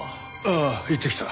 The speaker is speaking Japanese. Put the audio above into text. ああ行ってきた。